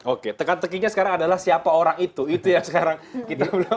oke tekan tekinya sekarang adalah siapa orang itu itu yang sekarang kita bilang